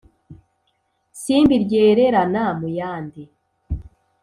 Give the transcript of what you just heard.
simbi ryererana mu yandi